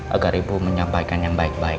agar ibu menyampaikan yang baik baik